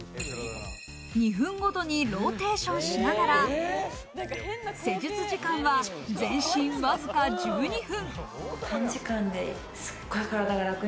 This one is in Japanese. ２分ごとにローテーションしながら、施術時間は全身わずか１２分。